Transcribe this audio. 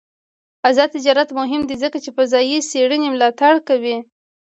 آزاد تجارت مهم دی ځکه چې فضايي څېړنې ملاتړ کوي.